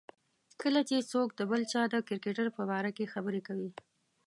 کله چې څوک د بل چا د کرکټر په باره کې خبرې کوي.